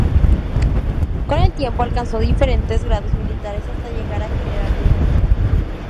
Con el tiempo alcanzó diferentes grados militares, hasta llegar a General de División.